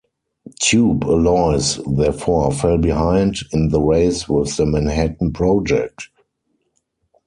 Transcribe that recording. Tube Alloys therefore fell behind in the race with the Manhattan Project.